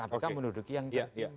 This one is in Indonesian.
kpk menuduki yang tinggi